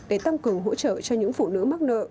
để tăng cường hỗ trợ cho những phụ nữ mắc nợ